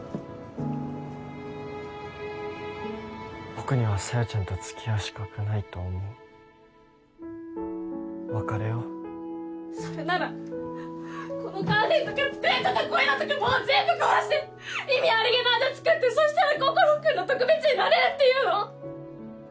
僕には小夜ちゃんと付き合う資格ないと思う別れようそれならこのカーテンとか机とかこういうのとかもう全部壊して意味ありげなアザ作ってそしたら心君の特別になれるっていうの！？